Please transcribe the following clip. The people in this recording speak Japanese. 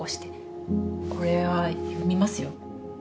これは読みますよ。